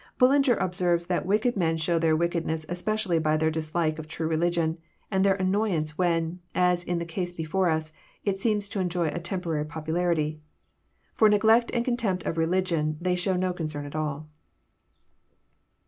Bullinger observes that wicked men show their wickedness especially by their dislike of true religion, and their annoyance when, as in the case before us, it seems to enjoy a temporary popularity. For neglect and contempt of religion they show no concern at all.